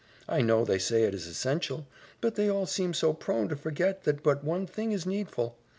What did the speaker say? I know they say it is essential, but they all seem so prone to forget that but one thing is needful.